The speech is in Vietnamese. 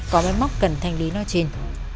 có máy móc cần thanh lý nói trên